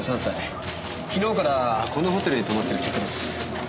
昨日からこのホテルに泊まってる客です。